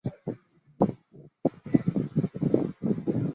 这在考古学家在海边先民的遗迹可以找到证据。